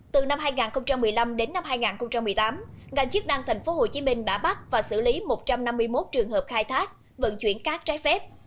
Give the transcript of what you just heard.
từ năm hai nghìn một mươi năm đến năm hai nghìn một mươi tám ngành chức năng tp hcm đã bắt và xử lý một trăm năm mươi một trường hợp khai thác vận chuyển cát trái phép